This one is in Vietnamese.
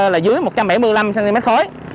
là dưới một trăm bảy mươi năm cm khối